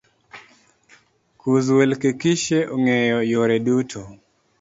Kuz Welkekishe ong'eyo yore du